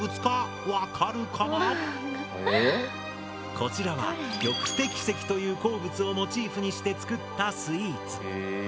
こちらは玉滴石という鉱物をモチーフにして作ったスイーツ。